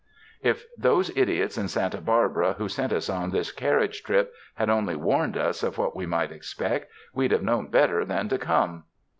If those idiots in Santa Barbara who sent us on this carriage trip, had only warned us of what we might expect, we'd have known better than to come."